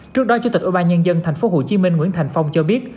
trước đó chủ tịch ủy ban nhân dân tp hcm nguyễn thành phong cho biết